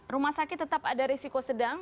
rumah sakit tetap ada risiko sedang